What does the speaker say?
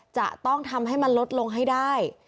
จะต้องทำให้มันลดลงให้ได้